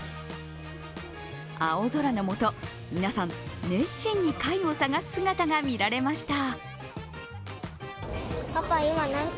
青空のもと、皆さん、熱心に貝を探す姿が見られました。